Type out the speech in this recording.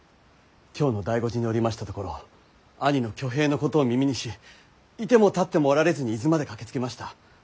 京の醍醐寺におりましたところ兄の挙兵のことを耳にし居ても立ってもおられずに伊豆まで駆けつけました。